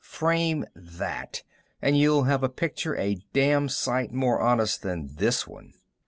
"Frame that, and you'll have a picture a damn sight more honest than this one."